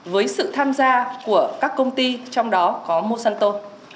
với sự tham gia của các công ty trong đó có monsanto